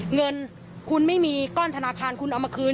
เงินคุณไม่มีก้อนธนาคารคุณเอามาคืน